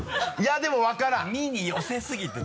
でも分からん